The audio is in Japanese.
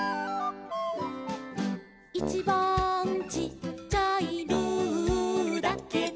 「いちばんちっちゃい」「ルーだけど」